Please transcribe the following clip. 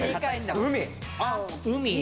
海？